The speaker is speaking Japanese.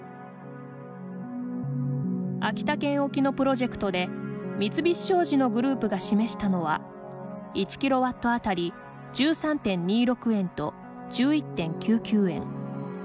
秋田県沖のプロジェクトで三菱商事のグループが示したのは１キロワットあたり１３．２６円と１１．９９円。